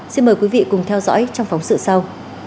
xin mời quý vị cùng theo dõi trong phóng sự sau